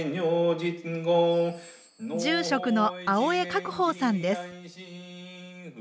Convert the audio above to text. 住職の青江覚峰さんです。